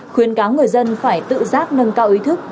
khuyến cáo người dân phải tự giác nâng cao ý thức